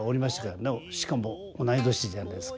しかもおない年じゃないですか。